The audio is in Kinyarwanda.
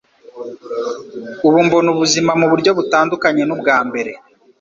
Ubu mbona ubuzima muburyo butandukanye nubwa mbere